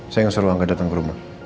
saya mau suruh angga datang ke rumah